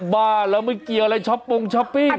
บ้าแล้วไม่เกี่ยวอะไรช้อปปงช้อปปิ้ง